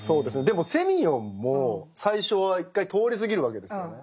でもセミヨンも最初は一回通り過ぎるわけですよね。